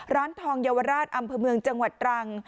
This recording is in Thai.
ร้านทองเยาวราชอำเภอเมืองจังหวัดตรัง